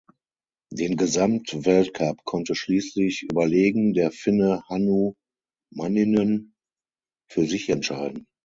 Den Gesamtweltcup konnte schließlich überlegen der Finne Hannu Manninen für sich entscheiden.